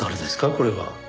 これは。